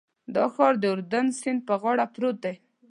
دا ښار د اردن سیند په غاړه پروت دی.